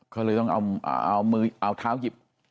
เขาเลยต้องเอาเท้าหยิบ